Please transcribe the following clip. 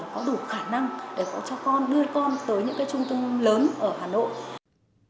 có đủ khả năng để cho con đưa con tới những cái trung tâm lớn ở hà nội